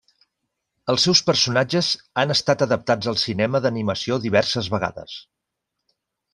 Els seus personatges han estat adaptats al cinema d'animació diverses vegades.